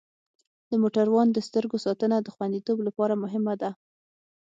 د موټروان د سترګو ساتنه د خوندیتوب لپاره مهمه ده.